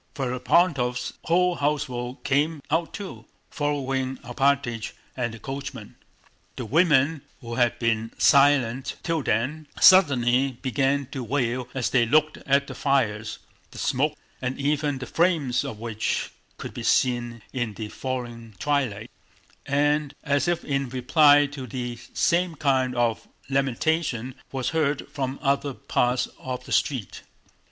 Ferapóntov's whole household came out too, following Alpátych and the coachman. The women, who had been silent till then, suddenly began to wail as they looked at the fires—the smoke and even the flames of which could be seen in the failing twilight—and as if in reply the same kind of lamentation was heard from other parts of the street.